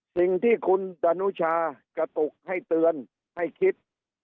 สิ่งที่คุณดานุชากระตุกให้เตือนให้คิด